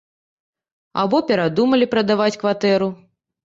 Або перадумалі прадаваць кватэру.